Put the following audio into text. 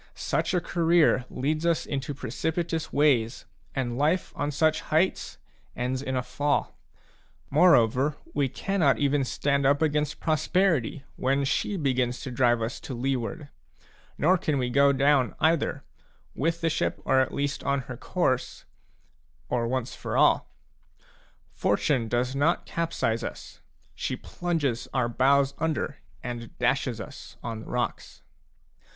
Such a career leads us into precipitous ways, and life on such heights ends in a fall. More over, we cannot even stand up against prosperity when she begins to drive us to leeward ; nor can we go down, either, c with the ship at least on her course/ or once for all a ; Fortune does not capsize us, — she plunges our bows under b and dashes us on the rocks.